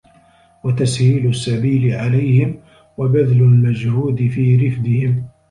وَتَسْهِيلُ السَّبِيلِ عَلَيْهِمْ وَبَذْلُ الْمَجْهُودِ فِي رِفْدِهِمْ